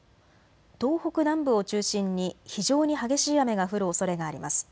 東北南部を中心に非常に激しい雨が降るおそれがあります。